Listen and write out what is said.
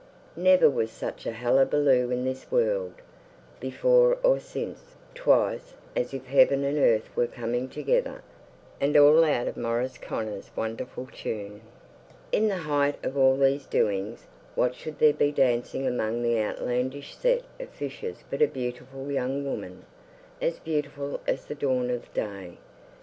Never was such a hullabaloo in this world, before or since; 'twas as if heaven and earth were coming together; and all out of Maurice Connor's wonderful tune! In the height of all these doings, what should there be dancing among the outlandish set of fishes but a beautiful young woman as beautiful as the dawn of day!